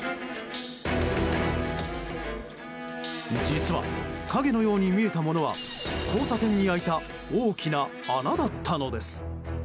実は、影のように見えたものは交差点に開いた大きな穴だったのです。